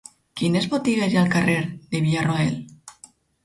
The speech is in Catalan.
Quines botigues hi ha al carrer de Villarroel?